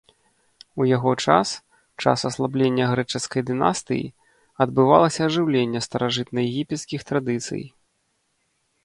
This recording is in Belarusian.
У яго час, час аслаблення грэчаскай дынастыі, адбывалася ажыўленне старажытнаегіпецкіх традыцый.